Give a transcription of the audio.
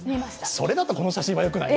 それだとこの写真はよくないな。